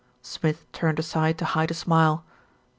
Smith turned aside to hide a smile.